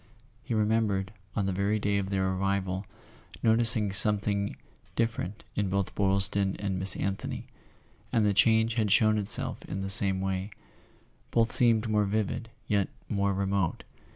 He remembered, on the very day of their arrival, noticing something [313 1 A SON AT THE FRONT different in both Boylston and Miss Anthony; and the change had shown itself in the same way: both seemed more vivid yet more remote.